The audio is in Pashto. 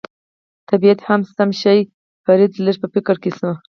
طبیعت هم سم شي، فرید لږ په فکر کې شو.